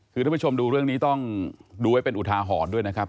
คือท่านผู้ชมดูเรื่องนี้ต้องดูไว้เป็นอุทาหรณ์ด้วยนะครับ